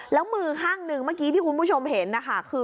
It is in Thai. แล้วมือห้างหนึ่งที่คุณผู้ชมเห็นค่ะ